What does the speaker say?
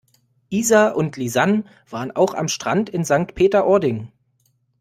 Isa und Lisann waren auch am Strand in Sankt Peter-Ording.